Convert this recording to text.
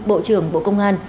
bộ trưởng bộ công an